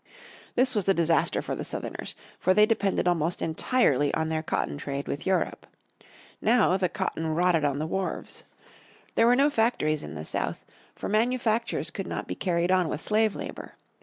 This was a disaster for the Southerners, for they depended almost entirely on their cotton trade with Europe. Now the cotton rotted on the wharves. There were no factories in the South, for manufactures could not be carried on with slave labour.